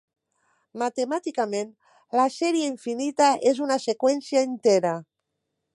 Matemàticament, la sèrie infinita és una seqüència entera.